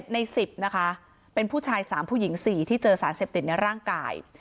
ใน๑๐นะคะเป็นผู้ชาย๓ผู้หญิง๔ที่เจอสารเสพติดในร่างกาย